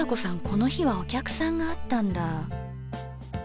この日はお客さんがあったんだ。